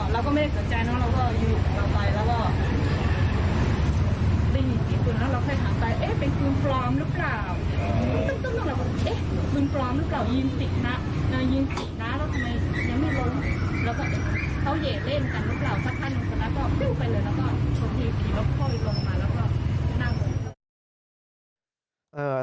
แล้วก็ดูไปเลยแล้วก็โชคดีแล้วค่อยลงมาแล้วก็นั่ง